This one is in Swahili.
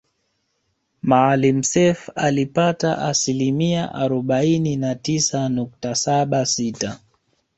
Maalim Seif alipata asilimia arobaini na tisa nukta saba sita